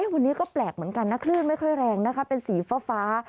วันนี้ก็แปลกเหมือนกันนะคลื่นไม่ค่อยแรงนะคะเป็นสีฟ้า